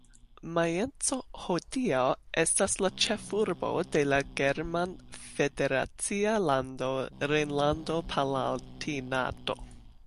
Majenco hodiaŭ estas la ĉefurbo de la german federacia lando Rejnlando-Palatinato.